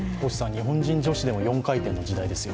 日本人女子でも４回転の時代ですよ。